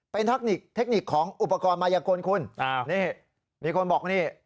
เป็นเทคนิคเทคนิคของอุปกรณ์มายกลคุณนี่มีคนบอกนี่